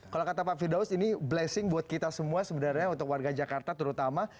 kalau kata pak firdaus ini blessing buat kita semua sebenarnya untuk warga jakarta terutama